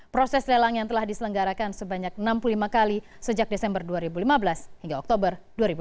proses lelang yang telah diselenggarakan sebanyak enam puluh lima kali sejak desember dua ribu lima belas hingga oktober dua ribu delapan belas